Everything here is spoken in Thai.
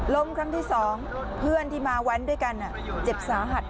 ครั้งที่๒เพื่อนที่มาแว้นด้วยกันเจ็บสาหัส